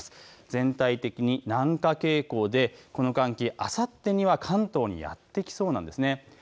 全体的に南下傾向でこの寒気、あさってには関東にやってきそうなんですね。